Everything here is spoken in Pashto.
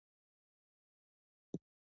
شېرمحمد سړه ساه واخيسته.